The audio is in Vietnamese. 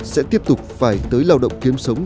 sẽ tiếp tục phải tới lao động kiếm sống